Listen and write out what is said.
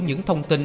những thông tin